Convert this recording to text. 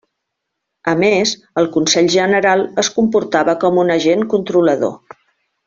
A més, el Consell General es comportava com un agent controlador.